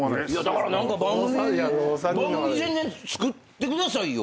だから番組作ってくださいよ。